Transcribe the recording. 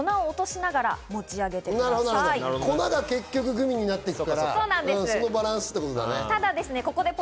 なるほど、粉が結局グミになっていくから、そのバランスということだね。